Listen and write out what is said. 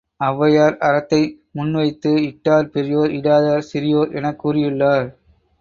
ஒளவையார் அறத்தை முன் வைத்து இட்டார் பெரியோர் இடாதார் சிறியோர் எனக் கூறியுள்ளார்.